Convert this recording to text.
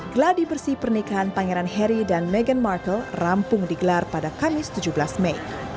geladi bersih pernikahan pangeran harry dan meghan markle rampung digelar pada kamis tujuh belas mei